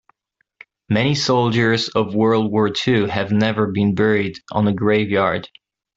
Many soldiers of world war two have never been buried on a grave yard.